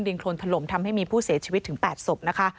โครนถล่มทำให้มีผู้เสียชีวิตถึง๘ศพนะคะ